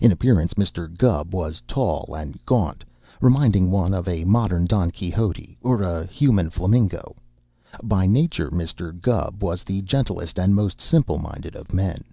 In appearance Mr. Gubb was tall and gaunt, reminding one of a modern Don Quixote or a human flamingo; by nature Mr. Gubb was the gentlest and most simple minded of men.